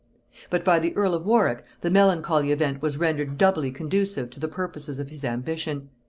But by the earl of Warwick the melancholy event was rendered doubly conducive to the purposes of his ambition.